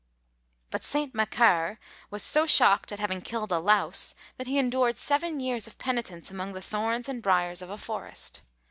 But St. Macaire was so shocked at having killed a louse, that he endured seven years of penitence among the thorns and briars of a forest.